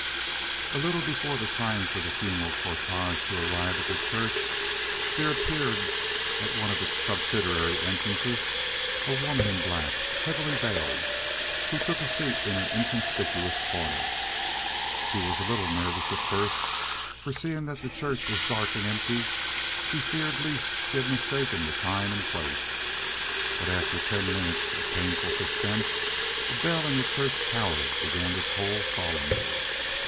A little before the time for the funeral cortege to arrive at the church there appeared at one of its subsidiary entrances a woman in black, heavily veiled, who took a seat in an inconspicuous corner. She was a little nervous at first, for, seeing that the church was dark and empty, she feared lest she had mistaken the time and place; but after ten minutes of painful suspense a bell in the church tower began to toll solemnly.